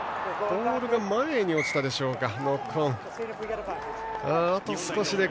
ボールが前に落ちたでしょうか。